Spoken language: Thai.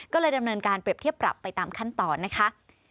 ก็เลยดำเนินการเปรียบเทียบปรับไปตามขั้นตอนนะคะ